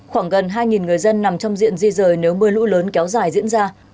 khoảng gần hai người dân nằm trong diện di rời nếu mưa lũ lớn kéo dài diễn ra